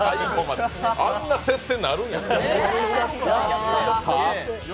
あんな接戦になるんやね。